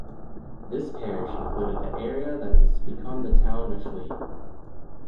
This parish included the area that was to become the town of Fleet.